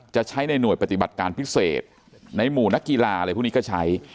จะใช้ในหน่วยปฏิบัติการพิเศษในหมู่นักกีฬาอะไรพวกนี้ก็ใช้